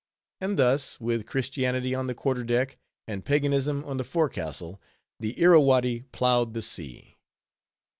And thus, with Christianity on the quarter deck, and paganism on the forecastle, the Irrawaddy ploughed the sea.